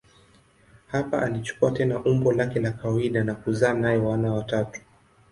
Hapa alichukua tena umbo lake la kawaida na kuzaa naye wana watatu.